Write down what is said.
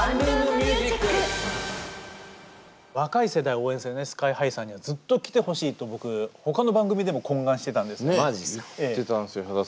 若い世代を応援するＳＫＹ−ＨＩさんにはずっと来てほしいと僕ほかの番組でも懇願してたんですよ。